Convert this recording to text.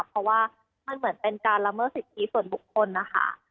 เพราะว่ามันเหมือนเป็นการละเมิดสิทธิส่วนบุคคลนะคะ